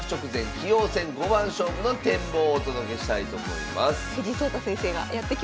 棋王戦五番勝負の展望」をお届けしたいと思います。